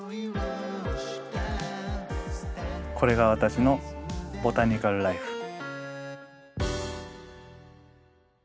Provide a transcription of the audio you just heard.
これが私のボタニカル・らいふ。